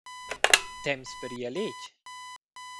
Temps per ir a letg?